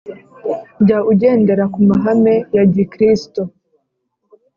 Jya ugendera ku mahame ya Gikristo